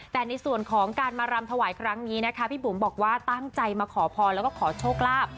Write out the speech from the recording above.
แต่ในส่วนของการมารำถวายครั้งนี้นะคะพี่บุ๋มบอกว่าตั้งใจมาขอพรแล้วก็ขอโชคลาภ